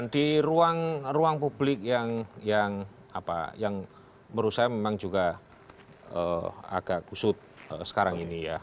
di ruang publik yang menurut saya memang juga agak gusut sekarang ini ya